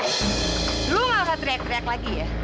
eh lo gak usah teriak teriak lagi ya